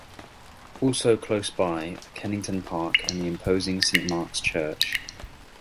Also close by are Kennington Park and the imposing Saint Mark's Church.